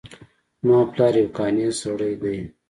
زما پلار یو قانع سړی ده